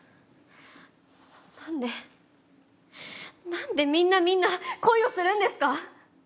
なんでなんでみんなみんな恋をするんですか！